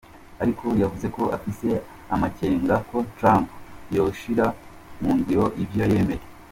Ariko yavuze ko afise amakenga ko Trump yoshira mu ngiro ivyo yemeye.